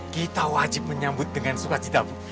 kita wajib menyambut dengan sukacita ibu